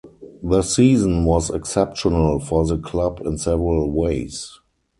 The season was exceptional for the club in several ways.